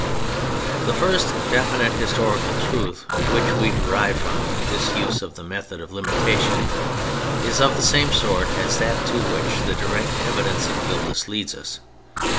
The first definite historical truth which we derive from this use of the method of limitations, is of the same sort as that to which the direct evidence of Gildas leads us.